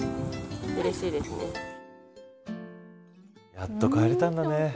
やっと帰れたんだね。